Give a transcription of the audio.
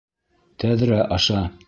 Тәҙрә аша...